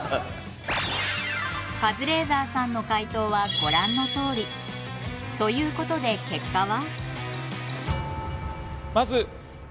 カズレーザーさんの解答はご覧のとおり。ということで結果は。